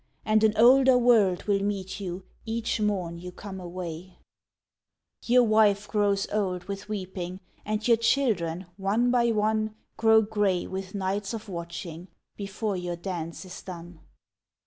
And an older world will meet you Each morn you come away. 62 THF. WIND ON THF HILLS si Your wife grows old with weeping, And your cliildrcn one by one Grow grey with nights of watcliing, Before your dance is done.